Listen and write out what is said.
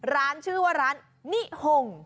ร้านชื่อว่าร้านนิหง